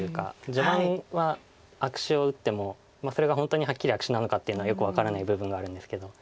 序盤は悪手を打ってもそれが本当にはっきり悪手なのかっていうのはよく分からない部分があるんですけど。